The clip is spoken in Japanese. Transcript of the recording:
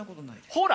ほら！